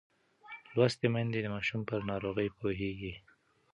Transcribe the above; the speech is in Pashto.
لوستې میندې د ماشوم پر ناروغۍ پوهېږي.